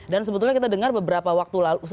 dan sebetulnya kita dengar beberapa waktu lalu